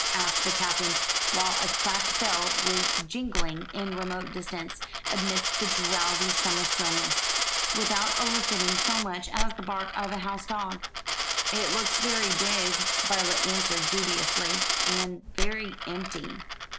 asked the Captain, while a cracked bell was jingling in remote distance, amidst the drowsy summer stillness, without eliciting so much as the bark of a house dog. "It looks very big," Violet answered dubiously, "and very empty."